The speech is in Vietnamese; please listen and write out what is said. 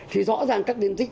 thì rõ ràng các điện tích